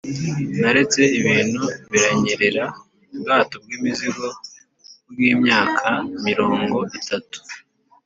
naretse ibintu biranyerera, ubwato bwimizigo bwimyaka mirongo itatu